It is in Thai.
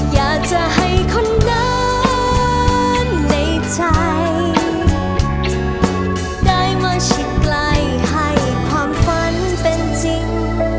อยากจะให้คนเดินในใจได้มาชิดไกลให้ความฝันเป็นจริง